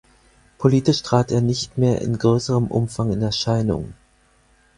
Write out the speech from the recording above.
Politisch trat er nicht mehr in größerem Umfang in Erscheinung.